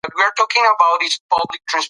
ټولنیز بدلونونه په نظر کې ونیسئ.